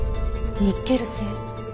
ニッケル製？